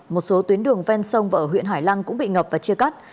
một số tuyến đường ven sông và ở huyện hải lăng cũng bị ngập và chia cắt